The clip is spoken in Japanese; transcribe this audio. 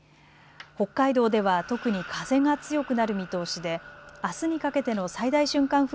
北海道では特に風が強くなる見通しであすにかけての最大瞬間